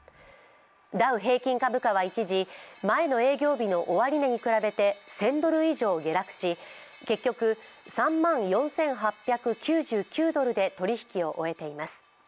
ダウ平均株価は一時、前の営業日の終値に比べて１０００ドル以上下落し、結局、３万４８９９ドルで取引を終えています。